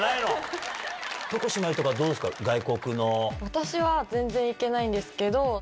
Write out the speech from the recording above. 私は全然行けないんですけど。